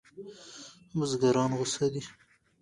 بزګران غوسه دي.